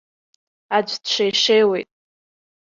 Аӡә дшеишеиуеит.